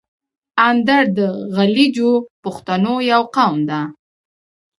اندړ د غلجیو پښتنو یو قوم ده.